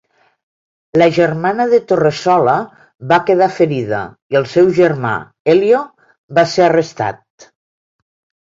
La germana de Torresola va quedar ferida i el seu germà Elio va ser arrestat.